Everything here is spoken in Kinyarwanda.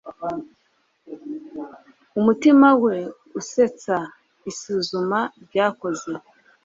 umutima we usetsa. isuzuma ryakozwe